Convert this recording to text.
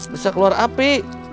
bisa keluar api